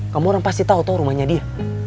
kamu orang pasti tau tuh rumahnya dia